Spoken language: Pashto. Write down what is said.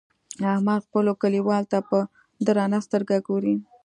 احمد خپلو کليوالو ته په درنه سترګه ګوري.